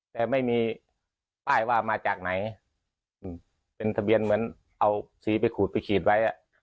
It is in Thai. แต่ไม่มีป้ายว่ามาจากไหนเป็นทะเบียนเหมือนเอาสีไปขูดไปขีดไว้